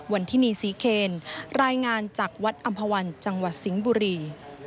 วันที่นี่ศรีเคนรายงานจากวัดอำภาวันจังหวัดสิงห์บุรี